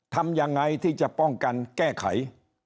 ทำยังไงที่จะป้องกันแก้ไข